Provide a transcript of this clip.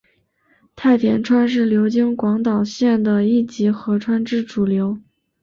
太田川是流经广岛县的一级河川之主流。